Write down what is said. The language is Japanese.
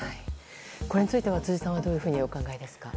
これについては辻さんはどういうふうにお考えですか。